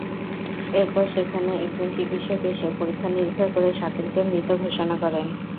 এরপর সেখানে একজন চিকিৎসক এসে পরীক্ষা-নিরীক্ষা করে শাকিলকে মৃত ঘোষণা করেন।